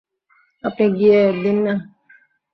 আপনি গিয়ে দিন না।